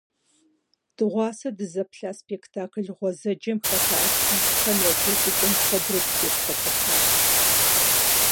Дыгъуасэ дызэплъа спектакль гъуэзэджэм хэта артистхэм я джэгукӀэм куэдрэ дытепсэлъыхьащ.